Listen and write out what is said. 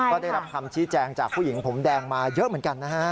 ก็ได้รับคำชี้แจงจากผู้หญิงผมแดงมาเยอะเหมือนกันนะฮะ